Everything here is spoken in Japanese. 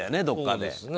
どっかで。